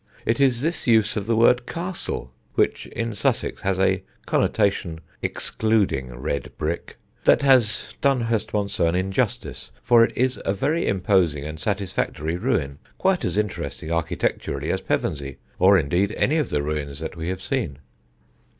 It is this use of the word castle (which in Sussex has a connotation excluding red brick) that has done Hurstmonceux an injustice, for it is a very imposing and satisfactory ruin, quite as interesting architecturally as Pevensey, or, indeed, any of the ruins that we have seen.